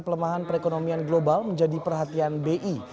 pelemahan perekonomian global menjadi perhatian bi